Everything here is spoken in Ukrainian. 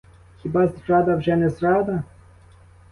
Хіба зрада вже не зрада?